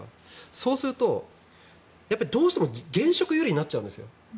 そうすると、どうしても現職有利になっちゃうんですよ。